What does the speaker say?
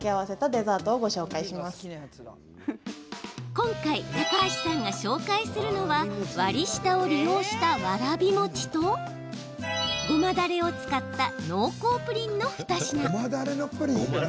今回、高橋さんが紹介するのは割り下を利用したわらび餅とごまだれを使った濃厚プリンの２品。